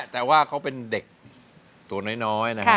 แต่ว่าเขาเป็นเด็กตัวน้อยนะครับ